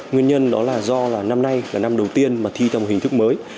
nguyên nhân đó là do là năm nay là năm đầu tiên mà thi theo một hình thức mới